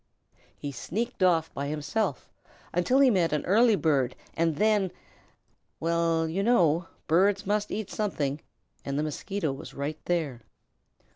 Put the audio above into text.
He sneaked off by himself until he met an early bird and then well, you know birds must eat something, and the Mosquito was right there.